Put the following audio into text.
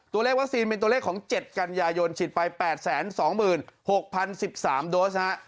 ตัวเลขวัคซีนเป็นตัวเลขของ๗กันยายนฉีดไป๘๒๖๐๑๓โดสนะฮะ